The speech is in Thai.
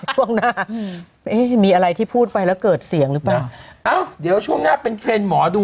ช่วงหน้ามีอะไรที่พูดไปแล้วเกิดเสียงหรือเปล่าเอ้าเดี๋ยวช่วงหน้าเป็นเทรนด์หมอดู